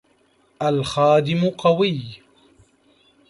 الْخَادِمُ قَوِيُّ.